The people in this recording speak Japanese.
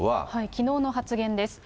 きのうの発言です。